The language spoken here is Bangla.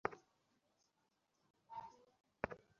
আবু যর কিছু পাথেয় নিলেন।